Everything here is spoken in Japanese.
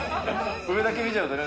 上だけ見ちゃうとね。